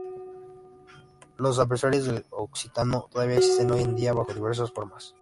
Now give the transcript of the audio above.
Los adversarios del occitano todavía existen hoy en día, bajo diversas formas.